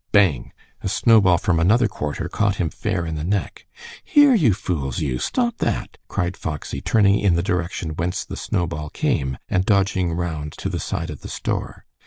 Bang! a snowball from another quarter caught him fair in the neck. "Here, you fools, you! Stop that!" cried Foxy, turning in the direction whence the snowball came and dodging round to the side of the store.